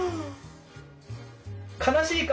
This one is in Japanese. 悲しい顔。